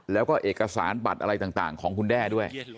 แล้วก็เอกสารบัตรอะไรต่างของคุณแด้ด้วย